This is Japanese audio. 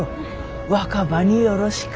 若葉によろしく。